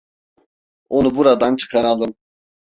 Onu buradan çıkaralım.